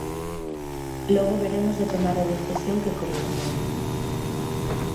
Logo veremos de tomar a decisión que corresponda.